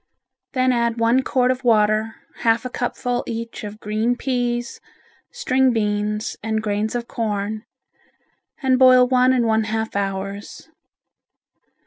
Then add one quart of water, half a cupful each of green peas, string beans and grains of corn, and boil one and one half hours.